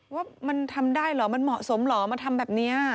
ว่ามันทำได้เหรอมันเหมาะสมเหรอมาทำแบบนี้